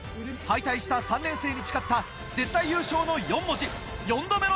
敗退した３年生に誓った「絶対優勝」の４文字。